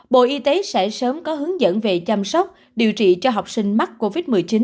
bộ y tế sẽ sớm có hướng dẫn về chăm sóc điều trị cho học sinh mắc covid một mươi chín